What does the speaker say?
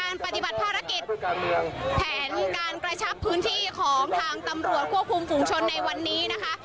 ปฏิบัติภารกิจการเมืองแผนการกระชับพื้นที่ของทางตำรวจควบคุมฝุงชนในวันนี้นะคะ